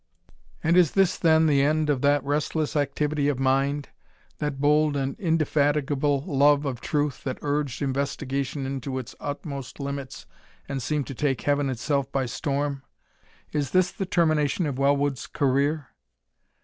"And is this, then, the end of that restless activity of mind, that bold and indefatigable love of truth that urged investigation to its utmost limits, and seemed to take heaven itself by storm is this the termination of Wellwood's career?